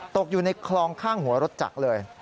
ตกอยู่ในคลองข้างหัวรถจักรเลย